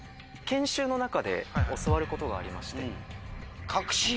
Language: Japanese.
研修の中で教わることがありまして。